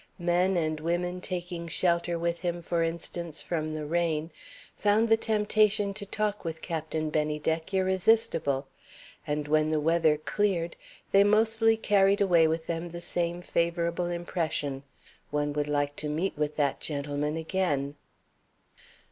Men and women taking shelter with him, for instance, from the rain, found the temptation to talk with Captain Bennydeck irresistible; and, when the weather cleared, they mostly carried away with them the same favorable impression: "One would like to meet with that gentleman again."